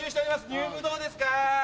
入部どうですか？